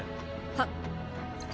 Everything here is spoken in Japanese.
はっ。